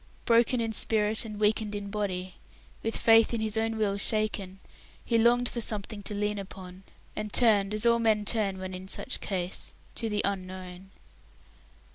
Broken in spirit and weakened in body, with faith in his own will shaken, he longed for something to lean upon, and turned as all men turn when in such case to the Unknown.